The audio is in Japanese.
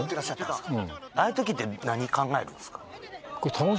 ああいう時って何考えるんすか？